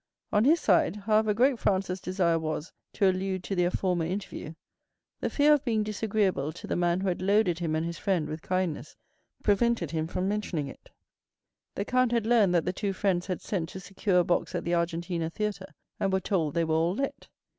On his side, however great Franz's desire was to allude to their former interview, the fear of being disagreeable to the man who had loaded him and his friend with kindness prevented him from mentioning it. The count had learned that the two friends had sent to secure a box at the Argentina Theatre, and were told they were all let.